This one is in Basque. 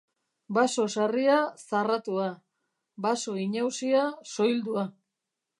Baso sarria, zarratua. Baso inausia, soildua.